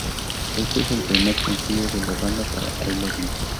Este es el primer sencillo de la banda para "I Love You.